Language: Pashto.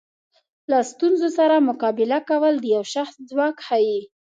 له ستونزو سره مقابله کول د یو شخص ځواک ښیي.